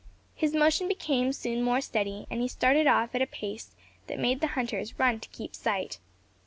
His motion became soon more steady, and he started off at a pace that made the hunters run to keep in sight.